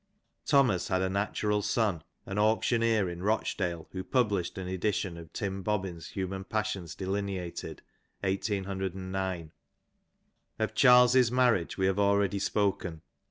Thomas had a natural son, an auctioneer in Rochdale, who published an edition of Tim Bobbin's Human Pai^ eions Delineated, 1809. Of Charles's marriage we have already spoken.